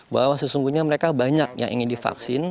bahwa sesungguhnya mereka banyak yang ingin divaksin